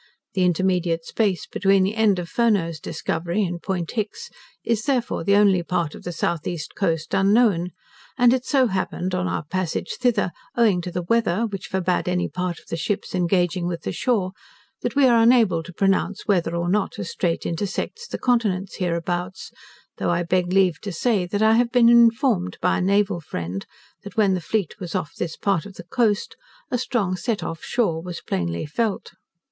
The intermediate space between the end of Furneaux's discovery and Point Hicks, is, therefore, the only part of the south east coast unknown, and it so happened on our passage thither, owing to the weather, which forbade any part of the ships engaging with the shore, that we are unable to pronounce whether, or not, a streight intersects the continent hereabouts: though I beg leave to say, that I have been informed by a naval friend, that when the fleet was off this part of the coast, a strong set off shore was plainly felt.